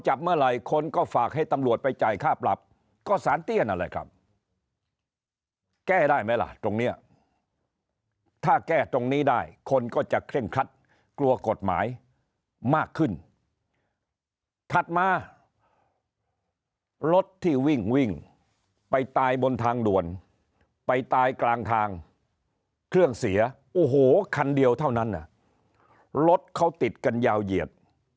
แก้ได้ไหมล่ะตรงเนี้ยถ้าแก้ตรงนี้ได้คนก็จะเคร่งครัดกลัวกฎหมายมากขึ้นทัดมารถที่วิ่งวิ่งไปตายบนทางดวนไปตายกลางทางเครื่องเสียโอ้โหคันเดียวเท่านั้นน่ะรถเขาติดกันยาวเหยียด